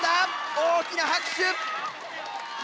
大きな拍手！